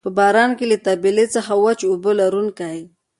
په باران کې له طبیلې څخه وچ او بوی لرونکی.